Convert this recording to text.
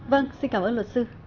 vâng xin cảm ơn luật sư